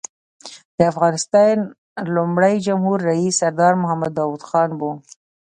د افغانستان لومړی جمهور رییس سردار محمد داود خان و.